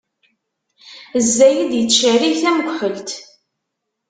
Zzayed ittcerrig tamekḥelt.